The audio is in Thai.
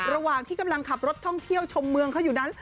ระหว่างที่กำลังขับรถท่องเที่ยวชมเมืองเขาอยู่นั้น